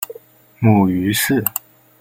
母于氏。